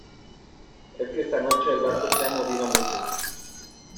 es que esta noche el barco se ha movido mucho.